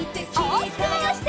おおきくまわして。